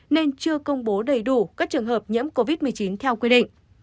nên chưa công bố đầy đủ các trường hợp nhiễm covid một mươi chín theo quy định